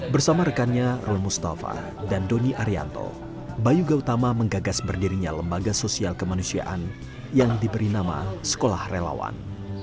bersama rekannya rul mustafa dan doni arianto bayu gautama menggagas berdirinya lembaga sosial kemanusiaan yang diberi nama sekolah relawan